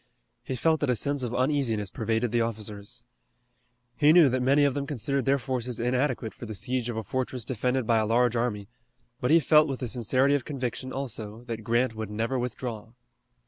He felt that a sense of uneasiness pervaded the officers. He knew that many of them considered their forces inadequate for the siege of a fortress defended by a large army, but he felt with the sincerity of conviction also, that Grant would never withdraw.